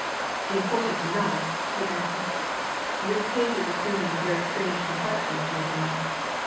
"Important enough," he answered. "This case is assuming a very strange complexion, gentlemen.